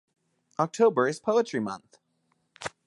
October is Poetry month.